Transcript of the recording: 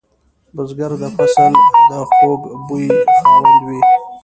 بزګر د فصل د خوږ بوی خاوند وي